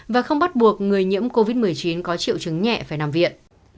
và không bắt buộc người nhiễm covid một mươi chín có triệu chứng nhẹ phải nằm viện